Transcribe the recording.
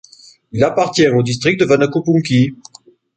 Il appartient au district de Vanhakaupunki.